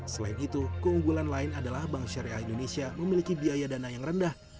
selain itu keunggulan lain adalah bank syariah indonesia memiliki biaya dana yang rendah